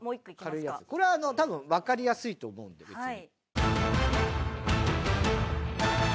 これは多分わかりやすいと思うんで別に。